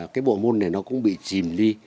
cái bộ môn này nó cũng bị chìm đi